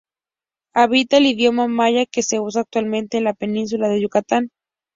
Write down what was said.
Habla el idioma maya que se usa actualmente en la Península de Yucatán.